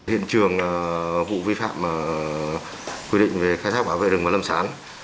hiện trường vụ vi phạm quy định về khai thác bảo vệ rừng của lâm sán